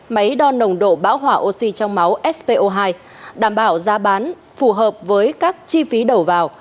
máy đo nồng độ bão hỏa oxy trong máu spo hai đảm bảo giá bán phù hợp với các chi phí đầu vào